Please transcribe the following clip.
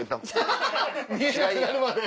アハハ見えなくなるまで。